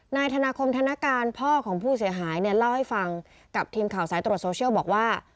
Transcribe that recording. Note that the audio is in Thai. นายธนาคมธนการพ่อของผู้เสียหายเนี่ยเล่าให้ฟังกับทีมข่าวสายตรวจโซเชียลบอกว่า